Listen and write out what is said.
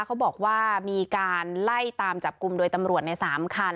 เขาบอกว่ามีการไล่ตามจับกลุ่มโดยตำรวจใน๓คัน